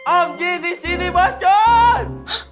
om jin disini bos jun